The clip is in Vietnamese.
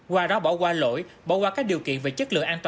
qua đó bỏ qua lỗi bỏ qua các điều kiện về chất lượng an toàn